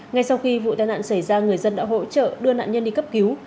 ngay sau khi vụ tai nạn xảy ra người dân đã hỗ trợ đưa nạn nhân đi cấp cứu